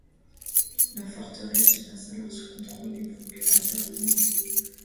La forteresse passe alors sous contrôle des procurateurs romains.